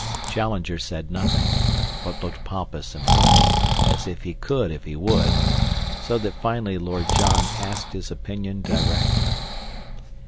Challenger said nothing, but looked pompous and puffy, as if he could if he would, so that finally Lord John asked his opinion direct.